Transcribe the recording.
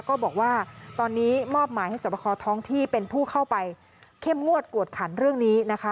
ก็บอกว่าตอนนี้มอบหมายให้สวบคอท้องที่เป็นผู้เข้าไปเข้มงวดกวดขันเรื่องนี้นะคะ